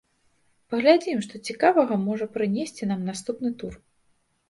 Паглядзім, што цікавага можа прынесці нам наступны тур.